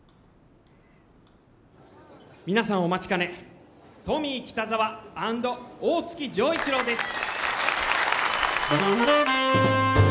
皆さんお待ちかねトミー北沢＆大月錠一郎です！